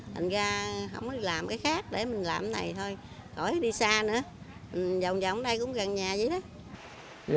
thành ra không có làm cái khác để mình làm cái này thôi khỏi đi xa nữa vòng vòng đây cũng gần nhà vậy đó